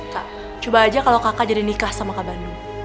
kak coba aja kalau kakak jadi nikah sama ka bandung